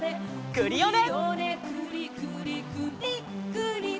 クリオネ！